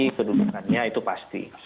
di normasi kedudukannya itu pasti